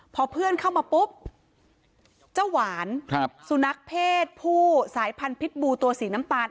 พอเพื่อนเข้ามาปุ๊บเจ้าหวานสุนัขเพศผู้สายพันธุ์พิษบูตัวสีน้ำตาล